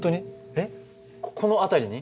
えっこの辺りに？